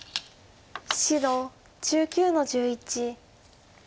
白１９の十一。